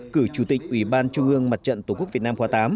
cử chủ tịch ủy ban trung ương mặt trận tổ quốc việt nam khóa tám